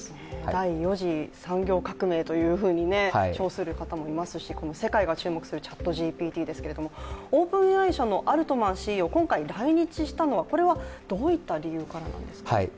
第４次産業革命というふうに称する方もいますし世界が注目するＣｈａｔＧＰＴですけれども、ＯｐｅｎＡＩ社のアルトマンＣＥＯ、今回来日したのはこれは、どういった理由からなんですか？